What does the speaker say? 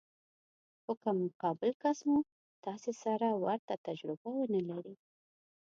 خو که مقابل کس مو تاسې سره ورته تجربه ونه لري.